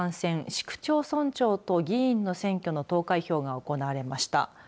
市区町村長と議員の選挙の投開票が行われました。